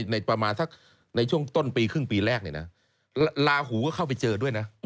ในประมาณสักในช่วงต้นปีครึ่งปีแรกเนี่ยนะลาหูก็เข้าไปเจอด้วยนะ